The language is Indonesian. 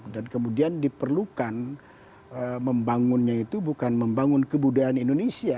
dan kemudian diperlukan membangunnya itu bukan membangun kebudayaan indonesia